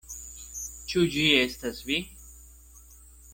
Ĉu ĝi estas vi?